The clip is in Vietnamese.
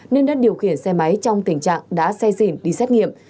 nên đã điều khiển xe máy trong tình trạng đã xe dìn đi xét nghiệm